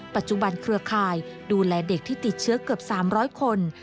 ปัจจุบันเครือข่ายดูแลเด็กที่ติดเชื้อเกือบ๓๐๐คน